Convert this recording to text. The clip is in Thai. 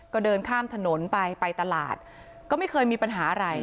ก็เดินข้ามถนนไปไปตลาดก็ไม่เคยมีปัญหาอะไร